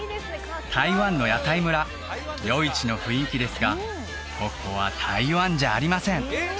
台湾の屋台村夜市の雰囲気ですがここは台湾じゃありません